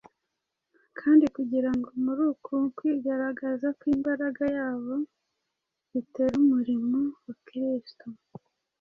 kandi kugira ngo muri uku kwigaragaza kw’imbaraga yayo bitere umurimo wa Kristo